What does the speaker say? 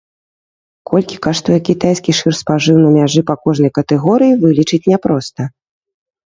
Колькі каштуе кітайскі шырспажыў на мяжы па кожнай катэгорыі, вылічыць няпроста.